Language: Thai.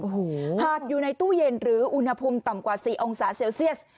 โอ้โหหากอยู่ในตู้เย็นหรืออุณหภูมิต่ำกว่าสี่องศาเซลเซียส